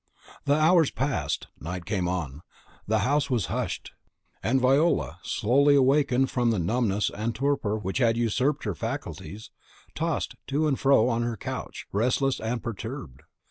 The hours passed: night came on; the house was hushed; and Viola, slowly awakened from the numbness and torpor which had usurped her faculties, tossed to and fro on her couch, restless and perturbed.